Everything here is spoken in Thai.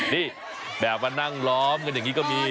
นี่แบบมานั่งล้อมกันอย่างนี้ก็มี